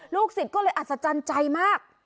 ลูกศิษย์ก็เลยอัศจรรย์ใจมาก